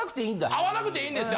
会わなくていいんですよ。